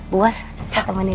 buas saya temanin